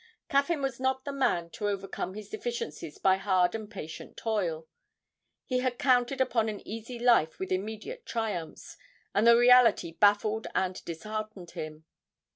Caffyn was not the man to overcome his deficiencies by hard and patient toil; he had counted upon an easy life with immediate triumphs, and the reality baffled and disheartened him.